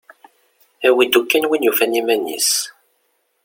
Awi-d ukkan win yufan iman-is.